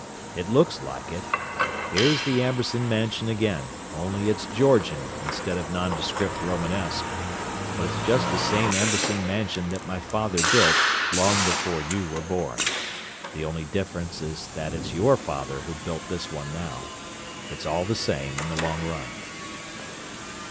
It looks like it: here's the Amberson Mansion again, only it's Georgian instead of nondescript Romanesque; but it's just the same Amberson Mansion that my father built long before you were born. The only difference is that it's your father who's built this one now. It's all the same, in the long run."